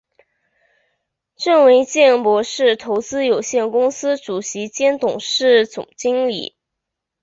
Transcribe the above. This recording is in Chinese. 郑维健博士投资有限公司主席兼董事总经理。